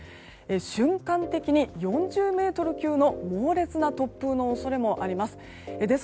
瞬間的に４０メートル級の猛烈な突風の恐れもあります。